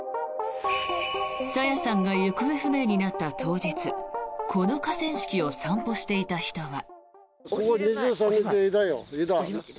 朝芽さんが行方不明になった当日この河川敷を散歩していた人は。